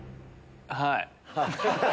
はい。